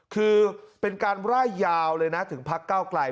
คือเป็นการร่ายยาวเลยนะถึงพักเก้าไกล